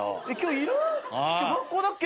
学校だっけ？